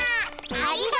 ありがとう。